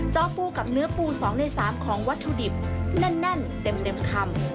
อปูกับเนื้อปู๒ใน๓ของวัตถุดิบแน่นเต็มคำ